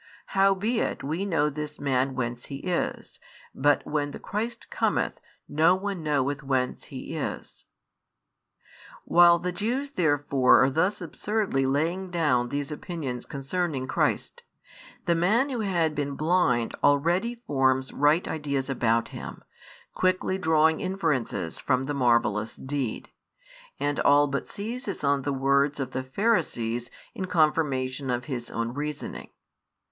|48 Howbeit we know this Man whence He is: but when the Christ cometh, no one knoweth whence He is. While the Jews therefore are thus absurdly laying down these opinions concerning Christ, the man who had been blind already forms [right] ideas about Him, quickly drawing inferences from the marvellous deed, and all but seizes on the words of the Pharisees in confirmation of his own reasoning.